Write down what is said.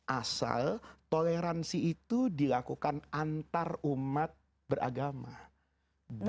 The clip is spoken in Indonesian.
asal toleransi itu dilakukan dengan toleransi yang berbeda dan berbeda